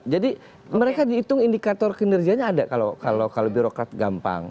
jadi mereka dihitung indikator kinerjanya ada kalau kalau kalau birokrat gampang